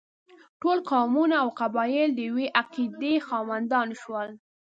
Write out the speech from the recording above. ټول قومونه او قبایل د یوې عقیدې خاوندان شول.